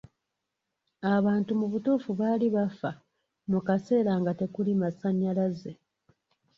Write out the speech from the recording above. Abantu mu butuufu baali bafa mu kaseera nga tekuli masannyalaze.